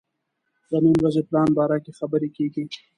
د نن ورځې پلان باره کې خبرې کېږي.